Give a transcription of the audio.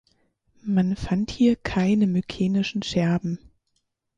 Man fand hier keine mykenischen Scherben.